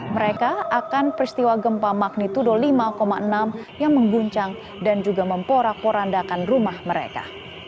mereka akan peristiwa gempa magnitudo lima enam yang mengguncang dan juga memporak porandakan rumah mereka